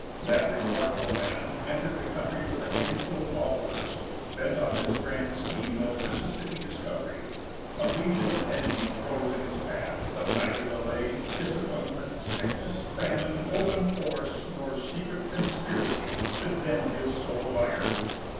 That remarkable man entered the country with a handful of followers, bent on his grand scheme of Mississippi discovery. A legion of enemies rose in his path; but neither delay, disappointment, sickness, famine, open force, nor secret conspiracy, could bend his soul of iron.